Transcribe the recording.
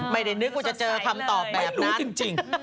ไม่ได้นึกว่าจะเจอคำตอบแบบนั้นจริง